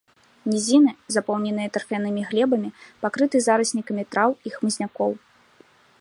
Нізіны, запоўненыя тарфянымі глебамі, пакрыты зараснікамі траў і хмызнякоў.